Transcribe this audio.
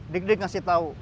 dik dik ngasih tau